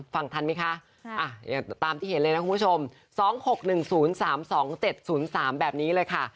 ฟังทันไหมคะอย่างตามที่เห็นเลยนะคุณผู้ชม๒๖๑๐๓๒๗๐๓แบบนี้เลยค่ะ